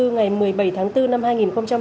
ngày một mươi bảy tháng bốn năm hai nghìn hai mươi